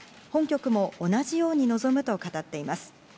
本局も同じように臨むと語っています。